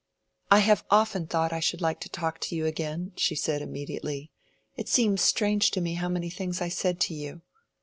"I have often thought that I should like to talk to you again," she said, immediately. "It seems strange to me how many things I said to you."